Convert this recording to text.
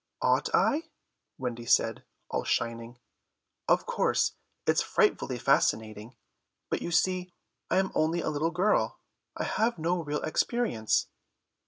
"Ought I?" Wendy said, all shining. "Of course it's frightfully fascinating, but you see I am only a little girl. I have no real experience."